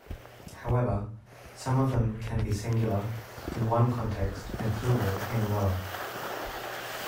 However, some of them can be singular in one context and plural in another.